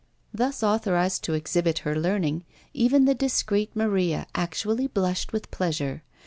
Thus authorised to exhibit her learning, even the discreet Maria actually blushed with pleasure.